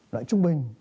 lợi trung bình